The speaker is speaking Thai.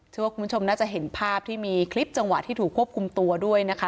ว่าคุณผู้ชมน่าจะเห็นภาพที่มีคลิปจังหวะที่ถูกควบคุมตัวด้วยนะคะ